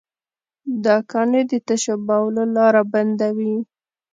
دا کاڼي د تشو بولو لاره بندوي.